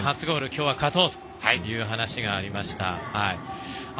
今日は勝とうという話がありました。